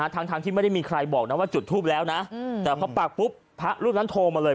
ทั้งที่ไม่ได้มีใครบอกนะว่าจุดทูปแล้วนะแต่พอปักปุ๊บพระรูปนั้นโทรมาเลย